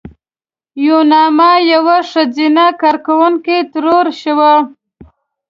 یوناما یوه ښځینه کارکوونکې ترور شوه.